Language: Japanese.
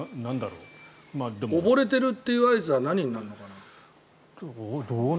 溺れてるって合図は何になるのかな？